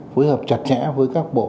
phối hợp chặt chẽ với các bộ